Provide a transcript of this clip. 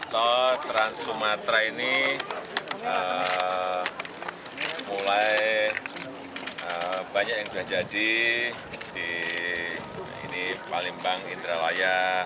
tol trans sumatera ini mulai banyak yang sudah jadi di palembang indralaya